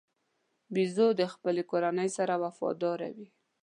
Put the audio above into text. بیزو د خپلې کورنۍ سره وفاداره وي.